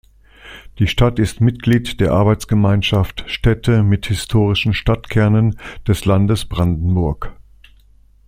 Die Stadt ist Mitglied der Arbeitsgemeinschaft „Städte mit historischen Stadtkernen“ des Landes Brandenburg.